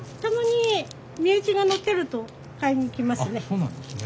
そうなんですね。